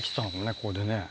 ここでね。